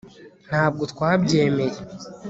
ntabwo twabyemeye